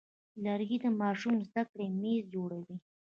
لرګی د ماشوم د زده کړې میز جوړوي.